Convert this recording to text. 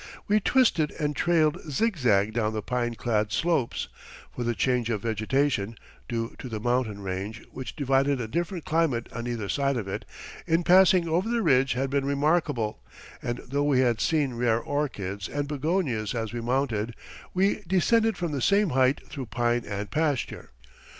We twisted and trailed zigzag down the pine clad slopes, for the change of vegetation (due to the mountain range, which divided a different climate on either side of it) in passing over the ridge had been remarkable, and though we had seen rare orchids and begonias as we mounted, we descended from the same height through pine and pasture.